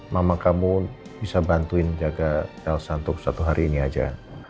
mama kamu bisa bantuin jaga elsa untuk satu hari ini aja